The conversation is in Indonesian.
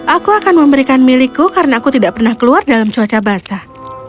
aku akan memberikan milikku karena aku tidak pernah keluar dalam cuaca basah